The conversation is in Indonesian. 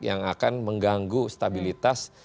yang akan mengganggu stabilitas